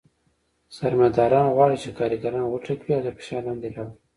سرمایه داران غواړي چې کارګران وټکوي او تر فشار لاندې راولي